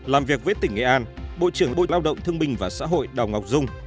làm việc với tỉnh nghệ an bộ trưởng bộ lao động thương binh và xã hội đào ngọc dung